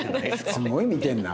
すごい見てるな。